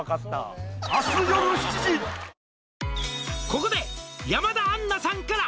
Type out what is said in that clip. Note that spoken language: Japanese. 「ここで」